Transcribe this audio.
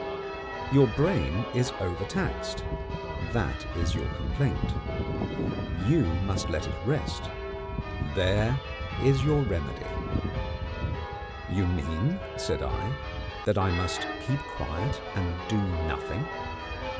Your brain is over taxed that is your complaint. You must let it rest there is your remedy." "You mean," I said, "that I must keep quiet, and do Nothing?"